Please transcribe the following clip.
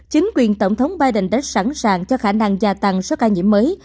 chính quyền tổng thống biden đã sẵn sàng cho khả năng gia tăng số ca nhiễm mới